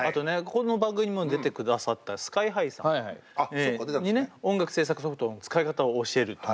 ここの番組にも出てくださったＳＫＹーＨＩさんにね音楽制作ソフトの使い方を教えると。